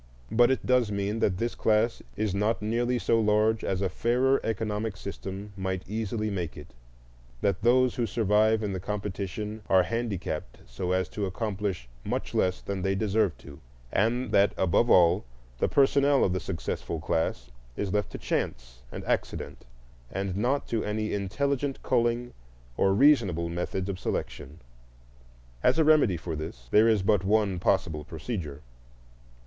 But it does mean that this class is not nearly so large as a fairer economic system might easily make it, that those who survive in the competition are handicapped so as to accomplish much less than they deserve to, and that, above all, the personnel of the successful class is left to chance and accident, and not to any intelligent culling or reasonable methods of selection. As a remedy for this, there is but one possible procedure.